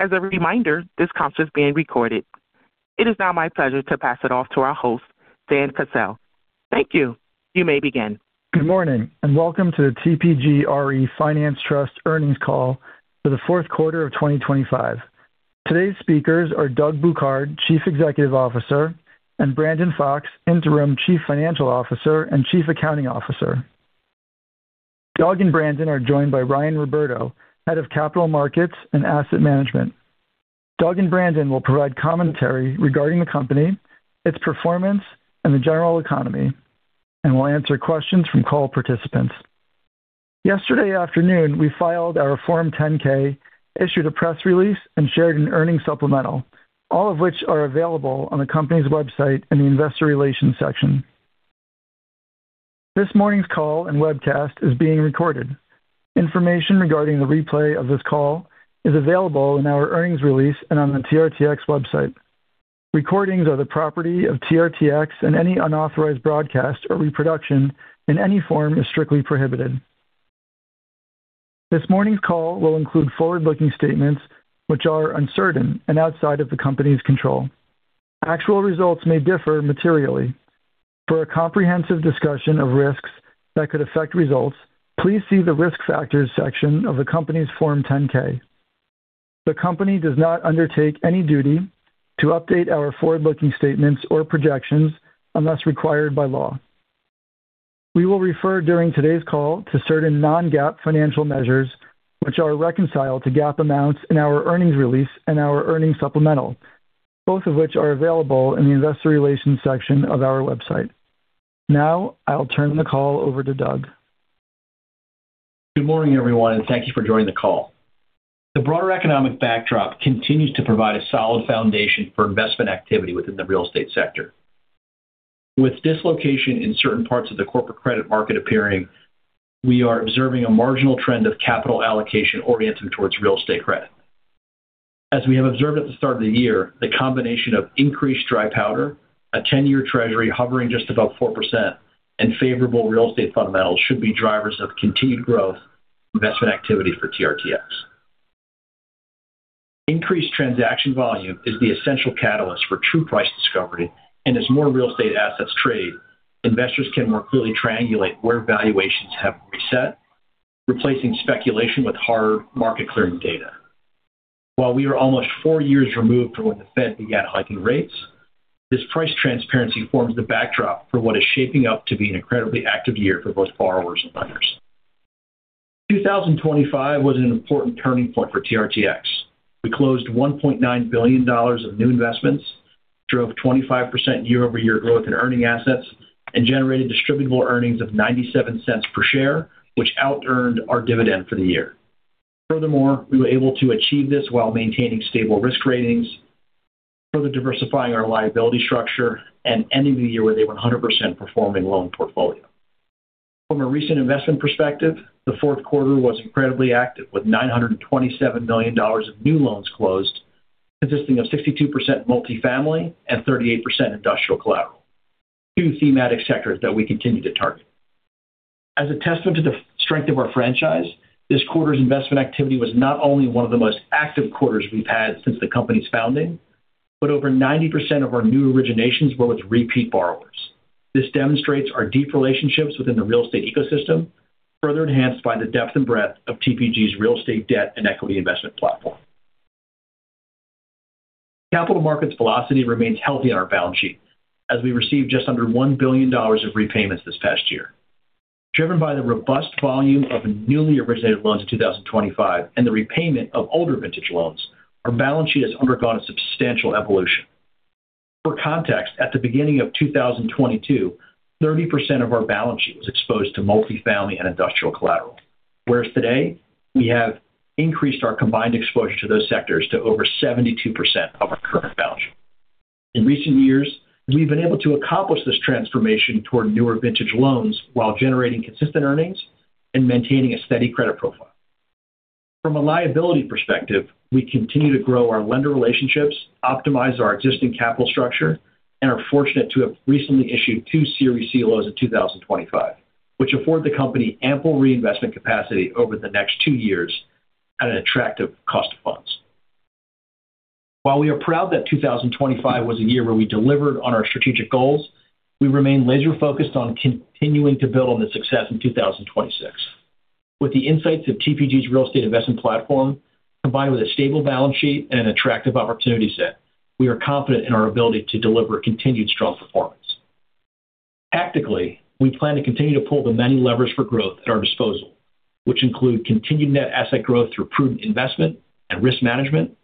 As a reminder, this call is being recorded. It is now my pleasure to pass it off to our host, Dan Cassell. Thank you. You may begin. Good morning, and welcome to the TPG RE Finance Trust earnings call for the Q4 of 2025. Today's speakers are Doug Bouquard, Chief Executive Officer, and Brandon Fox, Interim Chief Financial Officer and Chief Accounting Officer. Doug and Brandon are joined by Ryan Roberto, Head of Capital Markets and Asset Management. Doug and Brandon will provide commentary regarding the company, its performance, and the general economy, and will answer questions from call participants. Yesterday afternoon, we filed our Form 10-K, issued a press release, and shared an earnings supplemental, all of which are available on the company's website in the investor relations section. This morning's call and webcast is being recorded. Information regarding the replay of this call is available in our earnings release and on the TRTX website. Recordings are the property of TRTX, and any unauthorized broadcast or reproduction in any form is strictly prohibited. This morning's call will include forward-looking statements which are uncertain and outside of the company's control. Actual results may differ materially. For a comprehensive discussion of risks that could affect results, please see the Risk Factors section of the company's Form 10-K. The company does not undertake any duty to update our forward-looking statements or projections unless required by law. We will refer during today's call to certain non-GAAP financial measures, which are reconciled to GAAP amounts in our earnings release and our earnings supplemental, both of which are available in the investor relations section of our website. Now I'll turn the call over to Doug. Good morning, everyone, and thank you for joining the call. The broader economic backdrop continues to provide a solid foundation for investment activity within the real estate sector. With dislocation in certain parts of the corporate credit market appearing, we are observing a marginal trend of capital allocation oriented towards real estate credit. As we have observed at the start of the year, the combination of increased dry powder, a 10-year treasury hovering just above 4%, and favorable real estate fundamentals should be drivers of continued growth investment activity for TRTX. Increased transaction volume is the essential catalyst for true price discovery, and as more real estate assets trade, investors can more clearly triangulate where valuations have reset, replacing speculation with hard market clearing data. While we are almost four years removed from when the Fed began hiking rates, this price transparency forms the backdrop for what is shaping up to be an incredibly active year for both borrowers and lenders. 2025 was an important turning point for TRTX. We closed $1.9 billion of new investments, drove 25% year-over-year growth in earning assets, and generated distributable earnings of $0.97 per share, which outearned our dividend for the year. Furthermore, we were able to achieve this while maintaining stable risk ratings, further diversifying our liability structure and ending the year with a 100% performing loan portfolio. From a recent investment perspective, the Q4 was incredibly active, with $927 million of new loans closed, consisting of 62% multifamily and 38% industrial collateral. Two thematic sectors that we continue to target. As a testament to the strength of our franchise, this quarter's investment activity was not only one of the most active quarters we've had since the company's founding, but over 90% of our new originations were with repeat borrowers. This demonstrates our deep relationships within the real estate ecosystem, further enhanced by the depth and breadth of TPG's real estate debt and equity investment platform. Capital markets velocity remains healthy on our balance sheet, as we received just under $1 billion of repayments this past year. Driven by the robust volume of newly originated loans in 2025 and the repayment of older vintage loans, our balance sheet has undergone a substantial evolution. For context, at the beginning of 2022, 30% of our balance sheet was exposed to multifamily and industrial collateral, whereas today, we have increased our combined exposure to those sectors to over 72% of our current balance sheet. In recent years, we've been able to accomplish this transformation toward newer vintage loans while generating consistent earnings and maintaining a steady credit profile. From a liability perspective, we continue to grow our lender relationships, optimize our existing capital structure, and are fortunate to have recently issued 2 series CLOs in 2025, which afford the company ample reinvestment capacity over the next 2 years at an attractive cost of funds. While we are proud that 2025 was a year where we delivered on our strategic goals, we remain laser-focused on continuing to build on the success in 2026. With the insights of TPG's real estate investment platform, combined with a stable balance sheet and an attractive opportunity set, we are confident in our ability to deliver continued strong performance. Tactically, we plan to continue to pull the many levers for growth at our disposal, which include continuing net asset growth through prudent investment and risk management,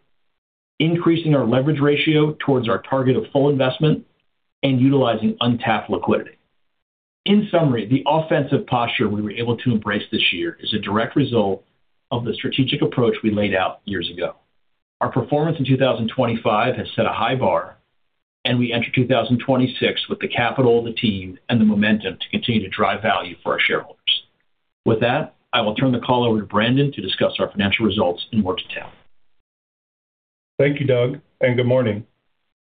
increasing our leverage ratio towards our target of full investment, and utilizing untapped liquidity. In summary, the offensive posture we were able to embrace this year is a direct result of the strategic approach we laid out years ago. Our performance in 2025 has set a high bar, and we enter 2026 with the capital, the team, and the momentum to continue to drive value for our shareholders. With that, I will turn the call over to Brandon to discuss our financial results in more detail. Thank you, Doug, and good morning.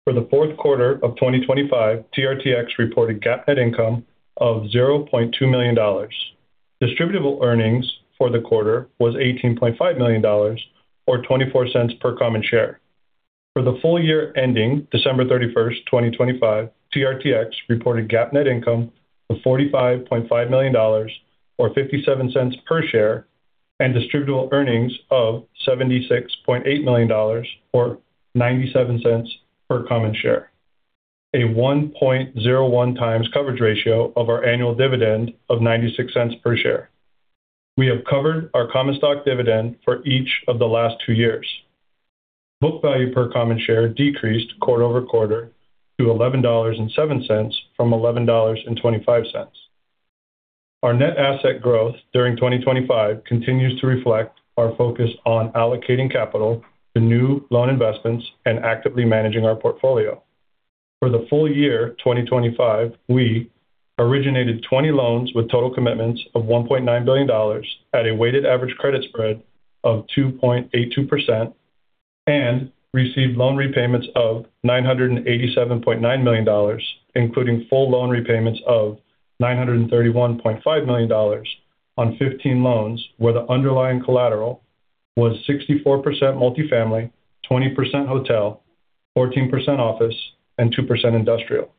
For the Q4 of 2025, TRTX reported GAAP net income of $0.2 million. Distributable earnings for the quarter was $18.5 million or $0.24 per common share. For the full year ending December 31, 2025, TRTX reported GAAP net income of $45.5 million, or $0.57 per share, and distributable earnings of $76.8 million, or $0.97 per common share. A 1.01x coverage ratio of our annual dividend of $0.96 per share. We have covered our common stock dividend for each of the last two years. Book value per common share decreased quarter-over-quarter to $11.07 from $11.25. Our net asset growth during 2025 continues to reflect our focus on allocating capital to new loan investments and actively managing our portfolio. For the full year, 2025, we originated 20 loans with total commitments of $1.9 billion at a weighted average credit spread of 2.82% and received loan repayments of $987.9 million, including full loan repayments of $931.5 million on 15 loans, where the underlying collateral was 64% multifamily, 20% hotel, 14% office, and 2% industrial.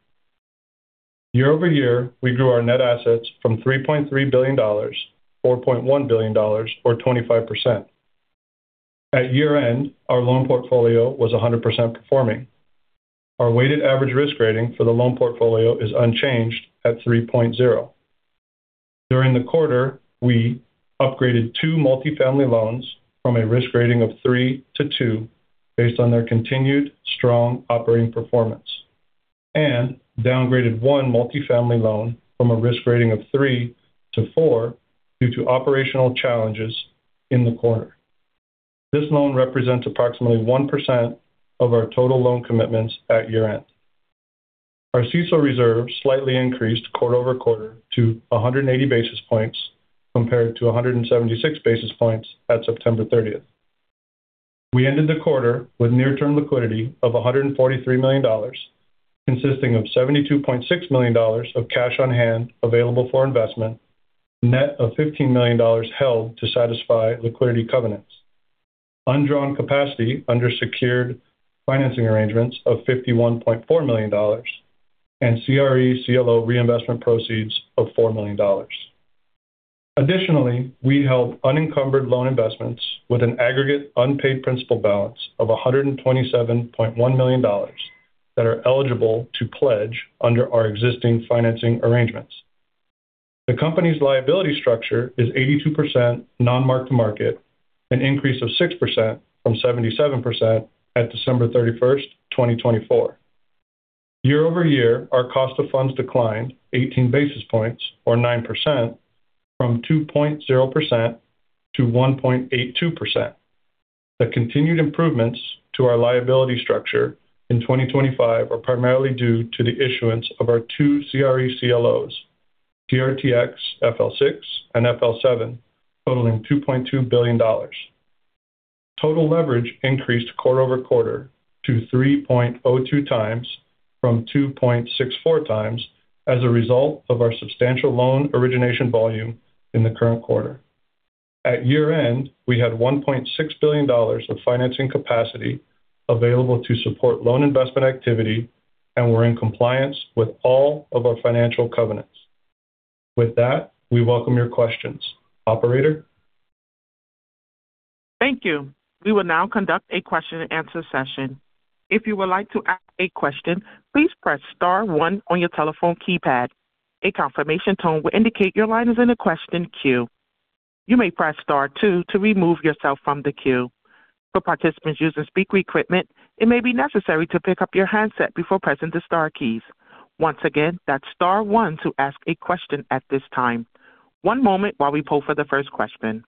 Year-over-year, we grew our net assets from $3.3 billion, $4.1 billion, or 25%. At year-end, our loan portfolio was 100% performing. Our weighted average risk rating for the loan portfolio is unchanged at 3.0. During the quarter, we upgraded 2 multifamily loans from a risk rating of 3 to 2 based on their continued strong operating performance, and downgraded 1 multifamily loan from a risk rating of 3 to 4 due to operational challenges in the quarter. This loan represents approximately 1% of our total loan commitments at year-end. Our CECL reserves slightly increased quarter-over-quarter to 180 basis points, compared to 176 basis points at September 30. We ended the quarter with near-term liquidity of $143 million, consisting of $72.6 million of cash on hand available for investment, net of $15 million held to satisfy liquidity covenants, undrawn capacity under secured financing arrangements of $51.4 million, and CRE CLO reinvestment proceeds of $4 million. Additionally, we held unencumbered loan investments with an aggregate unpaid principal balance of $127.1 million that are eligible to pledge under our existing financing arrangements. The company's liability structure is 82% non-mark-to-market, an increase of 6% from 77% at December 31, 2024. Year-over-year, our cost of funds declined 18 basis points, or 9%, from 2.0% to 1.82%. The continued improvements to our liability structure in 2025 are primarily due to the issuance of our two CRE CLOs, TRTX 2025-FL6 and 2025-FL7, totaling $2.2 billion. Total leverage increased quarter-over-quarter to 3.02x from 2.64x as a result of our substantial loan origination volume in the current quarter. At year-end, we had $1.6 billion of financing capacity available to support loan investment activity and were in compliance with all of our financial covenants. With that, we welcome your questions. Operator? Thank you. We will now conduct a question-and-answer session. If you would like to ask a question, please press star one on your telephone keypad. A confirmation tone will indicate your line is in the question queue. You may press star two to remove yourself from the queue. For participants using speaker equipment, it may be necessary to pick up your handset before pressing the star keys. Once again, that's star one to ask a question at this time. One moment while we poll for the first question.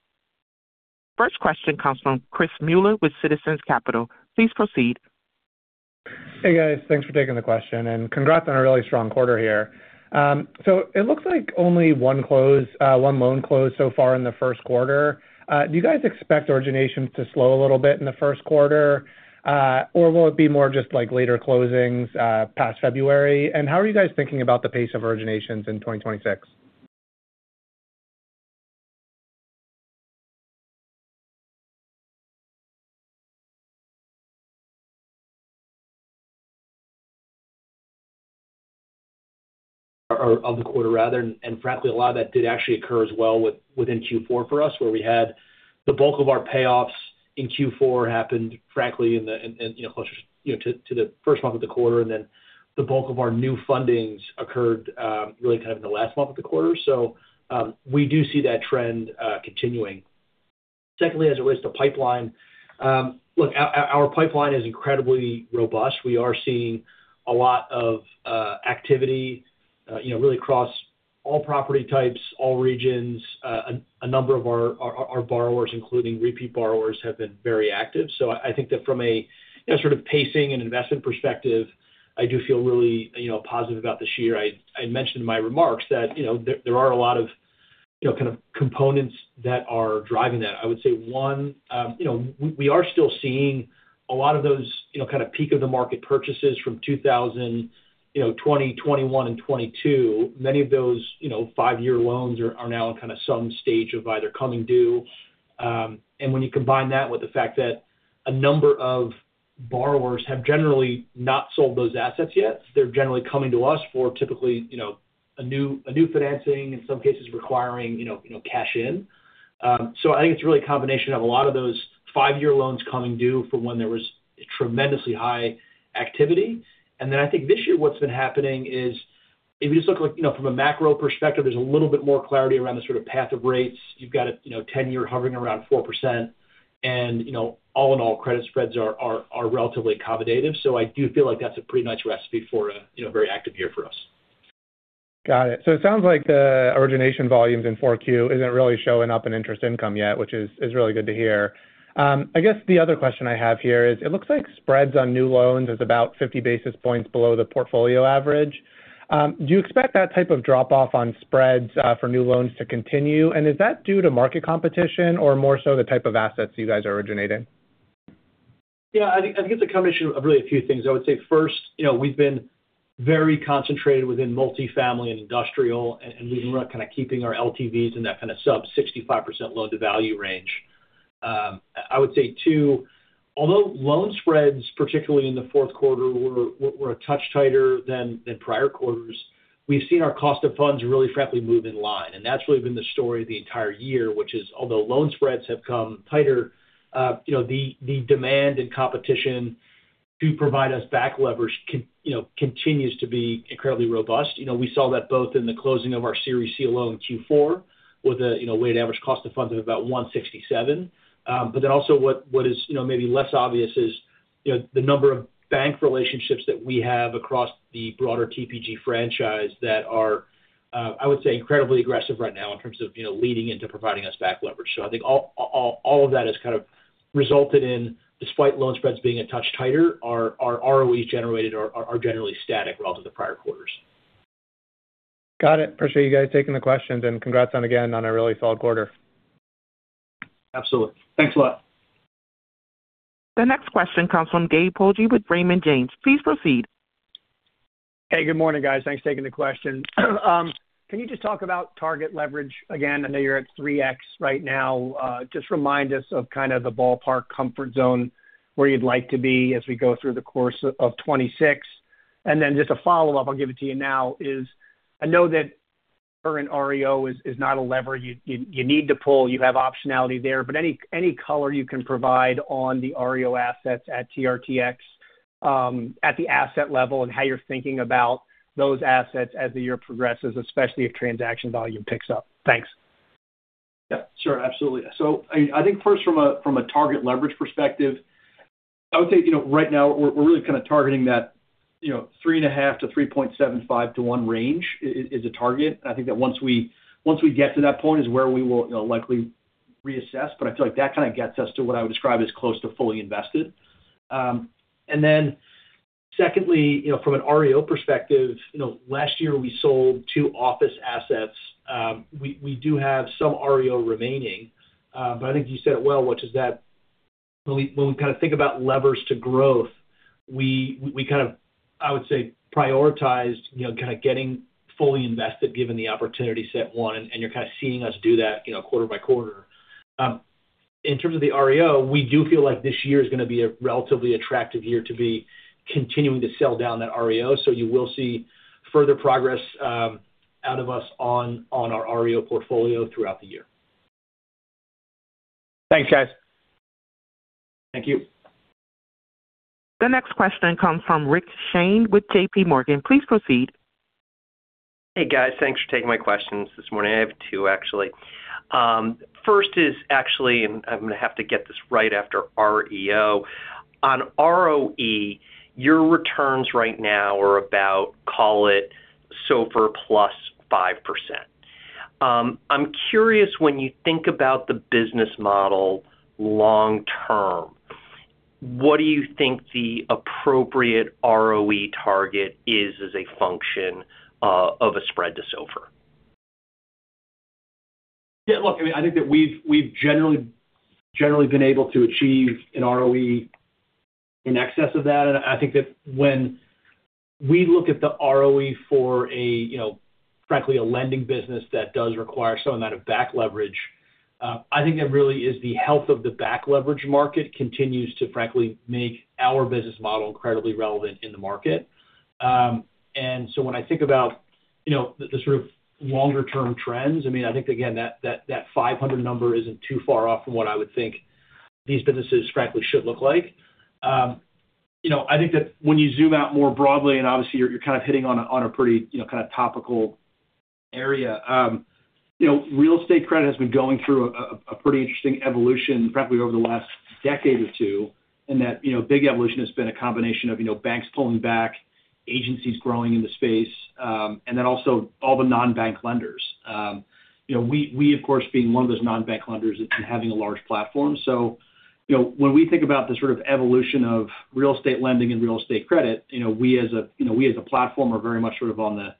First question comes from Christopher Mueller with Citizens Capital. Please proceed. Hey, guys. Thanks for taking the question and congrats on a really strong quarter here. So it looks like only one close, one loan closed so far in the Q1. Do you guys expect origination to slow a little bit in the Q1, or will it be more just like later closings past February? And how are you guys thinking about the pace of originations in 2026? Of the quarter, rather, and frankly, a lot of that did actually occur as well within Q4 for us, where we had the bulk of our payoffs in Q4 happened, frankly, in the closer to the first month of the quarter, and then the bulk of our new fundings occurred really kind of in the last month of the quarter. So we do see that trend continuing. Secondly, as it relates to pipeline, look, our pipeline is incredibly robust. We are seeing a lot of activity really across all property types, all regions. A number of our borrowers, including repeat borrowers, have been very active. So I think that from a sort of pacing and investment perspective, I do feel really positive about this year. I mentioned in my remarks that there are a lot of-..., kind of components that are driving that. I would say one,, we are still seeing a lot of those,, kind of peak of the market purchases from 2020, 2021 and 2022. Many of those,, five-year loans are now in kind of some stage of either coming due. And when you combine that with the fact that a number of borrowers have generally not sold those assets yet, they're generally coming to us for typically,, a new financing, in some cases requiring,, cash in. So I think it's really a combination of a lot of those five-year loans coming due from when there was tremendously high activity. And then I think this year, what's been happening is, if you just look, like from a macro perspective, there's a little bit more clarity around the sort of path of rates. You've got a,, 10-year hovering around 4%, and all in all, credit spreads are, are, are relatively accommodative. So I do feel like that's a pretty nice recipe for a very active year for us. Got it. So it sounds like the origination volumes in Q4 isn't really showing up in interest income yet, which is really good to hear. I guess the other question I have here is, it looks like spreads on new loans is about 50 basis points below the portfolio average. Do you expect that type of drop-off on spreads for new loans to continue? And is that due to market competition or more so the type of assets you guys are originating? Yeah, I think it's a combination of really a few things. I would say first we've been very concentrated within multifamily and industrial, and we've been kind of keeping our LTVs in that sub-65% loan-to-value range. I would say, two, although loan spreads, particularly in the Q4, were a touch tighter than prior quarters, we've seen our cost of funds really, frankly, move in line. That's really been the story the entire year, which is, although loan spreads have come tighter,, the demand and competition to provide us back leverage continues to be incredibly robust., we saw that both in the closing of our Series C loan in Q4 with a weighted average cost of funds of about 1.67. But then also what is,, maybe less obvious is the number of bank relationships that we have across the broader TPG franchise that are, I would say, incredibly aggressive right now in terms of leading into providing us back leverage. So I think all of that has kind of resulted in, despite loan spreads being a touch tighter, our ROEs generated are generally static relative to the prior quarters. Got it. Appreciate you guys taking the questions, and congrats on again on a really Q2. Absolutely. Thanks a lot. The next question comes from Gabriel Poggi with Raymond James. Please proceed. Hey, good morning, guys. Thanks for taking the question. Can you just talk about target leverage again? I know you're at 3x right now. Just remind us of kind of the ballpark comfort zone, where you'd like to be as we go through the course of 2026. And then just a follow-up, I'll give it to you now, is I know that current REO is not a lever you need to pull. You have optionality there, but any color you can provide on the REO assets at TRTX, at the asset level and how you're thinking about those assets as the year progresses, especially if transaction volume picks up. Thanks. Yeah, sure. Absolutely. I think first, from a target leverage perspective, I would say right now we're really kind of targeting that 3.5-3.75 to 1 range is a target. I think that once we get to that point is where we will,, likely reassess, but I feel like that kind of gets us to what I would describe as close to fully invested., from an REO perspective,, last year we sold two office assets. We do have some REO remaining, but I think you said it well, which is that when we kind of think about levers to growth, we kind of, I would say, prioritized,, kind of getting fully invested given the opportunity set one, and you're kind of seeing us do that quarter-by-quarter. In terms of the REO, we do feel like this year is going to be a relatively attractive year to be continuing to sell down that REO. So you will see further progress out of us on our REO portfolio throughout the year. Thanks, guys. Thank you. The next question comes from Rick Shane with JP Morgan. Please proceed. Hey, guys. Thanks for taking my questions this morning. I have two, actually. First is actually, and I'm going to have to get this right after REO. On ROE, your returns right now are about, call it, SOFR + 5%. I'm curious, when you think about the business model long term, what do you think the appropriate ROE target is as a function of a spread to SOFR? Yeah, look, I mean, I think that we've generally been able to achieve an ROE in excess of that. And I think that when we look at the ROE for a,, frankly, a lending business that does require some amount of back leverage, I think that really is the health of the back leverage market continues to frankly make our business model incredibly relevant in the market. And so when I think about the sort of longer-term trends, I mean, I think again, that 500 number isn't too far off from what I would think these businesses, frankly, should look like., I think that when you zoom out more broadly and obviously you're, you're kind of hitting on a, on a pretty,, kind of topical area,, real estate credit has been going through a pretty interesting evolution, frankly, over the last decade or two. And that,, big evolution has been a combination of,, banks pulling back, agencies growing in the space, and then also all the non-bank lenders., we, we, of course, being one of those non-bank lenders and having a large platform. So,, when we think about the sort of evolution of real estate lending and real estate credit,, we as a,, we as a platform are very much sort of on the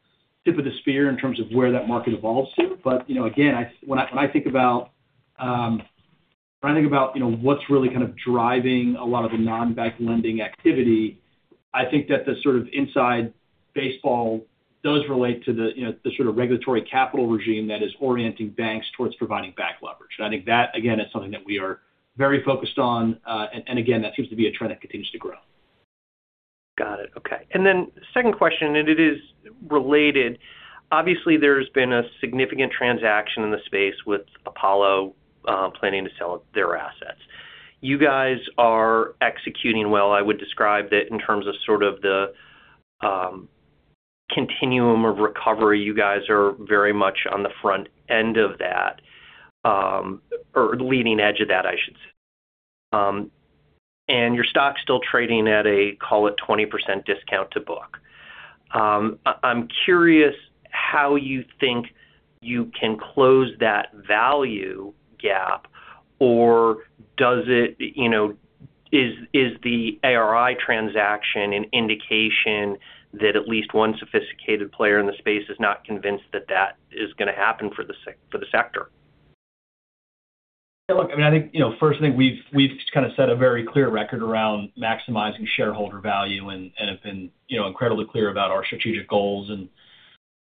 tip of the spear in terms of where that market evolves to. But,, again, when I think about, what's really kind of driving a lot of the non-bank lending activity, I think that the sort of inside baseball does relate to the the sort of regulatory capital regime that is orienting banks towards providing back leverage. And I think that, again, is something that we are very focused on. And again, that seems to be a trend that continues to grow. Got it. Okay. And then second question, and it is related. Obviously, there's been a significant transaction in the space with Apollo planning to sell their assets. You guys are executing well. I would describe it in terms of sort of the continuum of recovery. You guys are very much on the front end of that or leading edge of that, I should say. And your stock's still trading at a, call it, 20% discount to book. I'm curious how you think you can close that value gap, or does it,, is the ARI transaction an indication that at least one sophisticated player in the space is not convinced that that is gonna happen for the sector? Yeah, look, I mean, I think,, first thing, we've kind of set a very clear record around maximizing shareholder value and have been,, incredibly clear about our strategic goals. And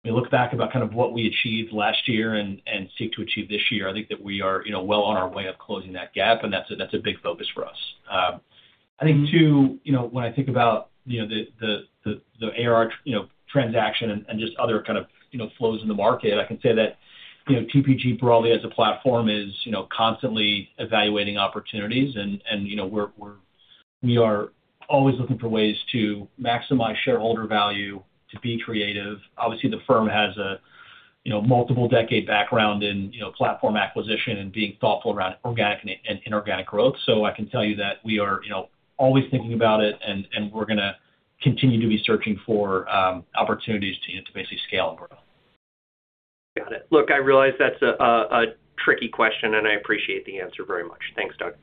we look back about kind of what we achieved last year and seek to achieve this year. I think that we are,, well on our way of closing that gap, and that's a big focus for us. I think, too,, when I think about,, the ARI transaction and just other kind of,, flows in the market, I can say that, , TPG broadly as a platform is,, constantly evaluating opportunities. And,, we're, we are always looking for ways to maximize shareholder value, to be creative. Obviously, the firm has a,, multiple decade background in,, platform acquisition and being thoughtful around organic and inorganic growth. So I can tell you that we are,, always thinking about it, and we're gonna continue to be searching for opportunities to basically scale and grow. Got it. Look, I realize that's a tricky question, and I appreciate the answer very much. Thanks, Doug.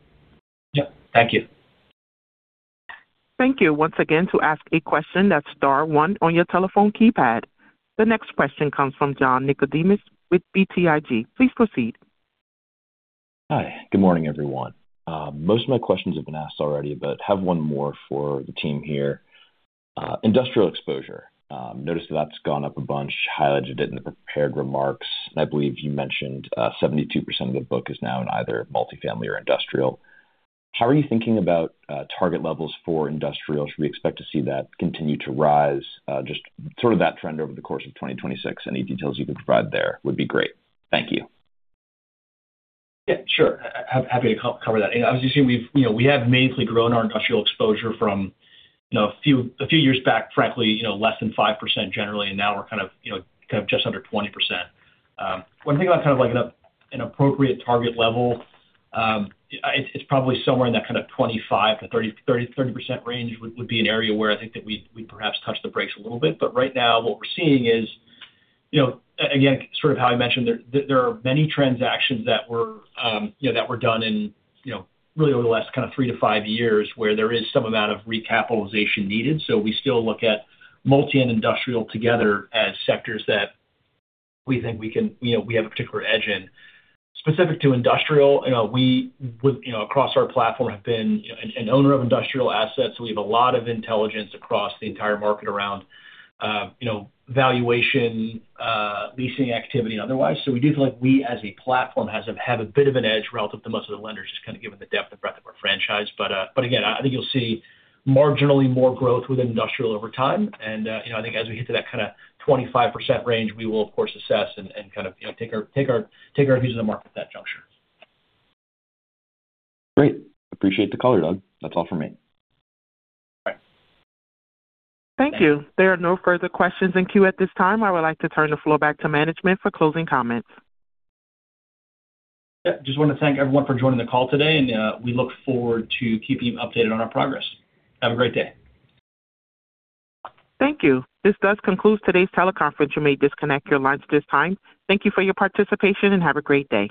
Yeah, thank you. Thank you. Once again, to ask a question, that's star one on your telephone keypad. The next question comes from John Nicodemus with BTIG. Please proceed. Hi, good morning, everyone. Most of my questions have been asked already, but have one more for the team here. Industrial exposure. Noticed that's gone up a bunch, highlighted it in the prepared remarks, and I believe you mentioned, 72% of the book is now in either multifamily or industrial. How are you thinking about, target levels for industrial? Should we expect to see that continue to rise? Just sort of that trend over the course of 2026. Any details you could provide there would be great. Thank you. Yeah, sure. Happy to cover that. As you see, we've,, we have mainly grown our industrial exposure from,, a few, a few years back, frankly,, less than 5% generally, and now we're kind of,, kind of just under 20%. When thinking about kind of like an appropriate target level, it's probably somewhere in that kind of 25%-30% range, would be an area where I think that we'd perhaps touch the brakes a little bit. But right now, what we're seeing is,, again, sort of how I mentioned, there are many transactions that were,, that were done in,, really over the last kind of 3-5 years, where there is some amount of recapitalization needed. So we still look at multi and industrial together as sectors that we think we can,, we have a particular edge in. Specific to industrial,, we would,, across our platform, have been an owner of industrial assets. We have a lot of intelligence across the entire market around valuation, leasing activity and otherwise. So we do feel like we, as a platform, have a bit of an edge relative to most of the lenders, just kind of given the depth and breadth of our franchise. But, but again, I think you'll see marginally more growth within industrial over time., I think as we get to that kind of 25% range, we will of course assess and kind of take our views of the market at that juncture. Great. Appreciate the call, Doug. That's all for me. All right. Thank you. There are no further questions in queue at this time. I would like to turn the floor back to management for closing comments. Yeah, just want to thank everyone for joining the call today, and we look forward to keeping you updated on our progress. Have a great day. Thank you. This does conclude today's teleconference. You may disconnect your lines at this time. Thank you for your participation, and have a great day.